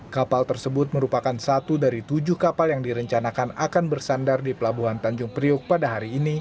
kapal tersebut merupakan satu dari tujuh kapal yang direncanakan akan bersandar di pelabuhan tanjung priuk pada hari ini